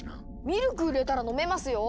ミルク入れたら飲めますよ！